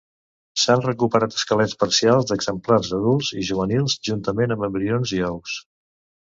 S'han recuperat esquelets parcials d'exemplars adults i juvenils juntament amb embrions i ous.